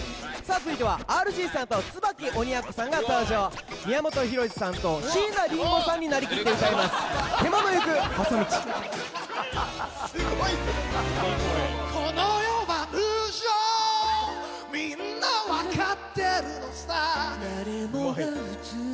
続いてはＲＧさんと椿鬼奴さんが登場宮本浩次さんと椎名林檎さんになりきって歌います「獣ゆく細道」うおっ！